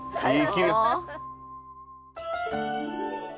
はい。